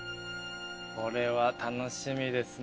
これは楽しみですね。